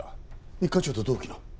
一課長と同期の？